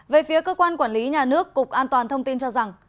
về phía cơ quan quản lý nhà nước cục an toàn thông tin cho rằng